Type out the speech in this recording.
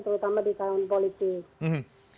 terutama di kawasan politik